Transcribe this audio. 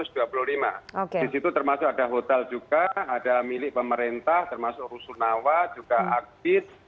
di situ termasuk ada hotel juga ada milik pemerintah termasuk rusunawa juga aktif